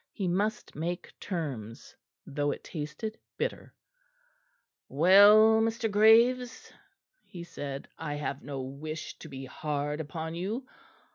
He must make terms, though it tasted bitter. "Well, Mr. Graves," he said, "I have no wish to be hard upon you.